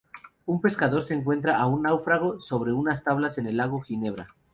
Un pescador se encuentra a un náufrago sobre unas tablas en el lago Ginebra.